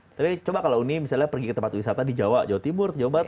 tapi coba kalau uni misalnya pergi ke tempat wisata di jawa jawa timur jawa barat